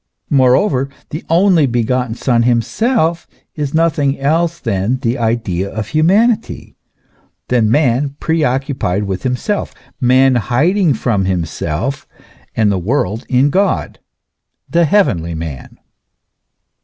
Moreover, the only begotten Son himself is nothing else than the idea of humanity, than man preoccupied with himself, man hiding from himself and the world in God, the heavenly man.